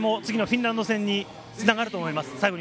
次のフィンランド戦に繋がると思います。